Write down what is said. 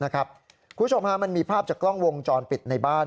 คุณผู้ชมมันมีภาพจากกล้องวงจรปิดในบ้าน